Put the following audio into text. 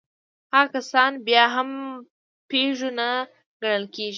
هغه کسان بيا هم پيژو نه ګڼل کېږي.